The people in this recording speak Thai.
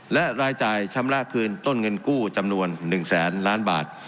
และรายจ่ายชำระคืนต้นเงินกู้จำนวน๑แสนล้านบาท